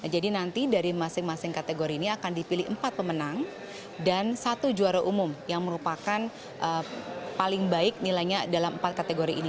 jadi nanti dari masing masing kategori ini akan dipilih empat pemenang dan satu juara umum yang merupakan paling baik nilainya dalam empat kategori ini